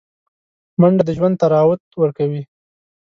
منډه د ژوند طراوت ورکوي